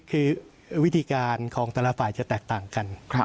คือวิธีการของแต่ละฝ่ายจะแตกต่างกัน